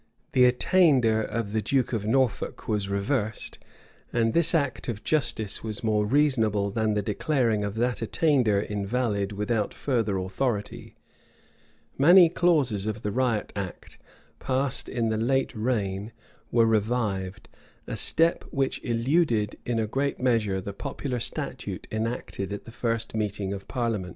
[v] The attainder of the duke of Norfolk was reversed; and this act of justice was more reasonable than the declaring of that attainder invalid without further authority. Many clauses of the riot act, passed in the late reign, were revived: a step which eluded in a great measure the popular statute enacted at the first meeting of parliament.